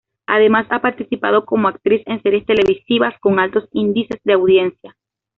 Además ha participado como actriz en series televisivas con altos índices de audiencia.